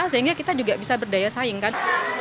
sehingga kita juga bisa berdaya saingkan